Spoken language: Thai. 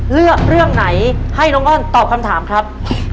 เลือกเรื่องไหนให้น้องอ้อนตอบคำถามครับ